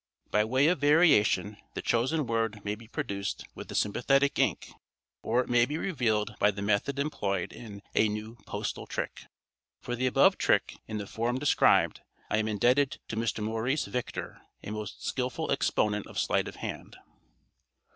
By way of variation the chosen word may be produced with the sympathetic ink, or it may be revealed by the method employed in "A New Postal Trick." For the above trick, in the form described, I am indebted to Mr. Maurice Victor, a most skillful exponent of sleight of hand.